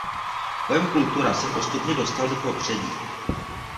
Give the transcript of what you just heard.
Pojem kultura se postupně dostal do popředí.